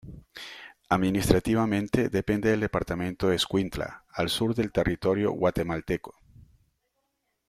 Administrativamente depende del departamento de Escuintla al sur del territorio guatemalteco.